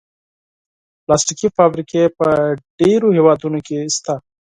پلاستيکي فابریکې په ډېرو هېوادونو کې شته.